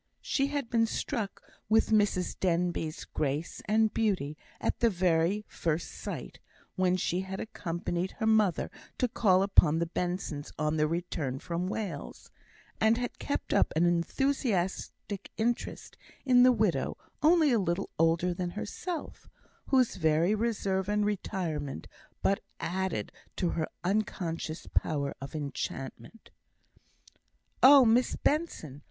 She had been struck with Mrs Denbigh's grace and beauty at the very first sight, when she had accompanied her mother to call upon the Bensons on their return from Wales; and had kept up an enthusiastic interest in the widow only a little older than herself, whose very reserve and retirement but added to her unconscious power of enchantment. "Oh, Miss Benson!